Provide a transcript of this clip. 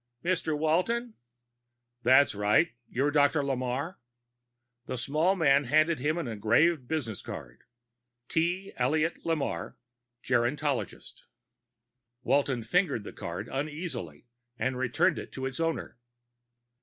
"Mr. Walton?" "That's right. You're Dr. Lamarre?" The small man handed him an engraved business card. T. ELLIOT LAMARRE Gerontologist Walton fingered the card uneasily and returned it to its owner.